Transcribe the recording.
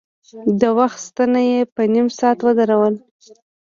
د وخت ستنه يې په نيم ساعت ودروله.